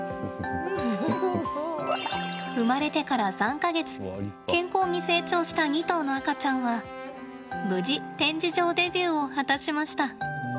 生まれてから３か月健康に成長した２頭の赤ちゃんは無事、展示場デビューを果たしました。